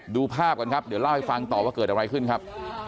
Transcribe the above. ดูภาพกันครับเดี๋ยวเล่าให้ฟังต่อว่าเกิดอะไรขึ้นครับ